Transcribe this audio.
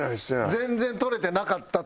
全然取れてなかったと。